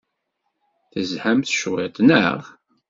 Tezhamt cwiṭ, naɣ?